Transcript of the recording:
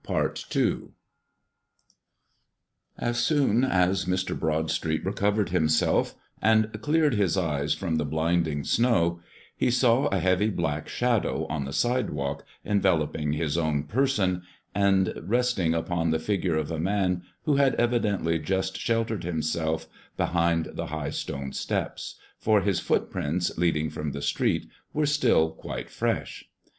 II As soon as Mr. Broadstreet recovered himself and cleared his eyes from the blinding snow, he saw a heavy, black Shadow on the sidewalk enveloping his own person and resting upon the figure of a man who had evidently just sheltered himself behind the high stone steps, for his footprints leading from the street were still quite fresh.